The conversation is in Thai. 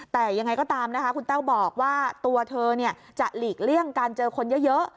แต่ยังไงก็ตามนะคะคุณแต้วบอกว่าตัวเธอจะหลีกเลี่ยงการเจอคนเยอะ